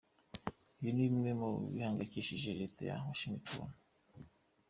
Ibi ni bimwe mu bihangayikishije leta ya Washingiton.